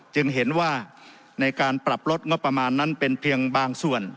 จึงเห็นว่าในการปรับลดงบประมาณนั้นเป็นเพียงบางส่วน